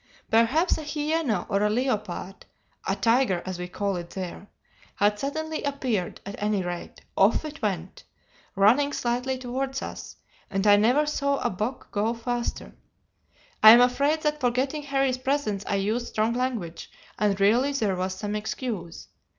Perhaps a hyæna or a leopard a tiger as we call it there had suddenly appeared; at any rate, off it went, running slightly towards us, and I never saw a buck go faster. I am afraid that forgetting Harry's presence I used strong language, and really there was some excuse.